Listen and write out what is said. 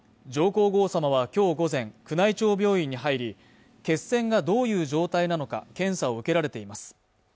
皇后さまはきょう午前宮内庁病院に入り血栓がどういう状態なのか検査を受けられています